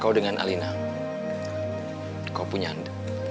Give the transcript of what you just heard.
kau tidak tahu bahwa dia cerdas